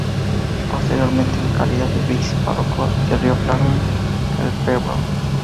Posteriormente, en calidad de "Vice párroco del Río Claro", el Pbro.